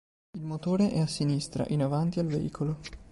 Il motore è a sinistra, in avanti al veicolo.